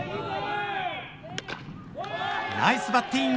ナイスバッティング！